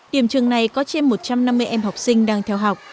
điểm trường này có trên một trăm năm mươi em học sinh đang theo học